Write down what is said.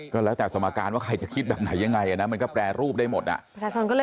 ก็แล้วแต่สมการว่าใครจะคิดแบบไหนยังไงนะมันก็แปรรูปได้หมดอ่ะ